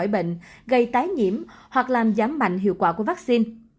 bệnh gây tái nhiễm hoặc làm giảm mạnh hiệu quả của vaccine